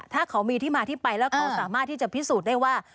ถ้าเขามีที่มาที่ไปแล้วเขาสามารถที่จะพิสูจน์ได้ว่า